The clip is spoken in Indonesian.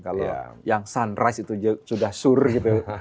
kalau yang sunrise itu sudah sur gitu